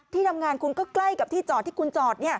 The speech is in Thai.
ที่ทำงานคุณก็ใกล้กับที่จอดที่คุณจอด